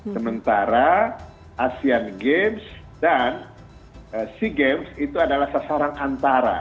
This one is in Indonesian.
sementara asean games dan sea games itu adalah sasaran antara